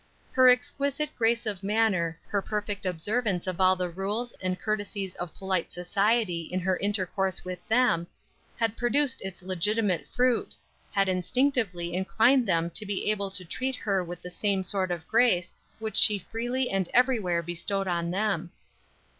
Her exquisite grace of manner, her perfect observance of all the rules and courtesies of polite society in her intercourse with them, had produced its legitimate fruit; had instinctively inclined them to be able to treat her with the same sort of grace which she freely and everywhere bestowed on them.